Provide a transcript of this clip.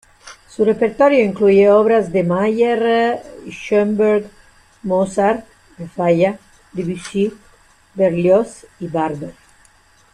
Su repertorio incluye obras de Mahler, Schoenberg, Mozart, de Falla, Debussy, Berlioz y Barber.